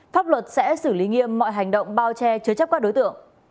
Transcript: pháp luật sẽ xử lý nghiêm mọi hành động bao che chứa chấp các đối tượng